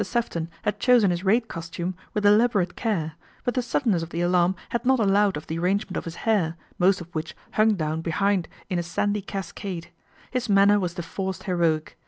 Sefton had chosen his raid costume with elaborate care ; but the suddenness of the alarm had not allowed of the arrangement of his hair, most of which hung down behind in a sandy cascade. His manner was the forced heroic.